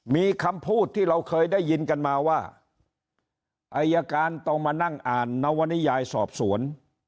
มีคำพูดที่เราเคยได้ยินกันมาว่าอายการต้องมานั่งอ่านนวนิยายสอบสวน